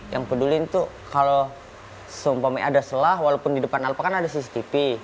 yang peduli itu kalau seumpamanya ada selah walaupun di depan alpa kan ada cctv